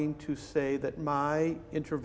dan masalah utama lainnya adalah